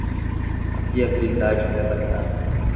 A viabilidade foi avaliada